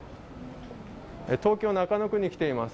東京・中野区に来ています